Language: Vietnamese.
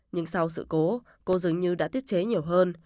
nhưng sau sự cố cô dường như đã tiết chế nhiều hơn